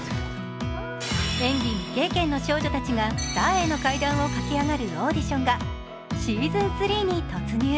演技未経験の少女たちがスターへの階段を駆け上がるオーディションがｓｅａｓｏｎ３に突入。